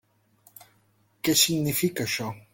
Què significa, això?